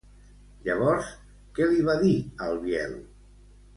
Llavors, què li va dir al Biel?